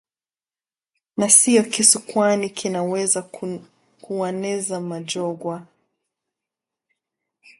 na siyo kisu kwani kinaweza kueneza magonjwa